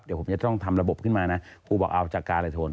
เดี๋ยวผมจะต้องทำระบบขึ้นมานะครูบอกเอาจากการอะไรโทน